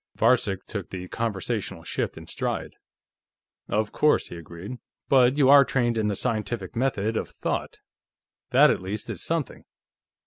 Varcek took the conversational shift in stride. "Of course," he agreed. "But you are trained in the scientific method of thought. That, at least, is something.